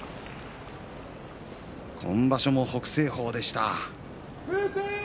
今場所も北青鵬でした。